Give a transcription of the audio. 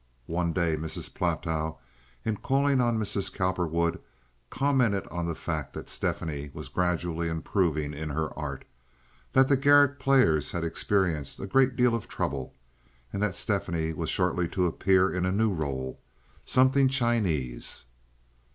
One day Mrs. Platow, in calling on Mrs. Cowperwood, commented on the fact that Stephanie was gradually improving in her art, that the Garrick Players had experienced a great deal of trouble, and that Stephanie was shortly to appear in a new role—something Chinese.